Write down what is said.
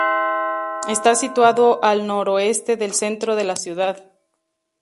Está situado al noroeste del centro de la ciudad.